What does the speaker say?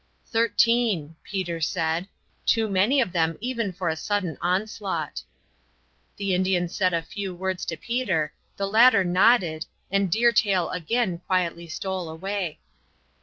"Thirteen," Peter said. "Too many of them even for a sudden onslaught." The Indian said a few words to Peter; the latter nodded, and Deer Tail again quietly stole away.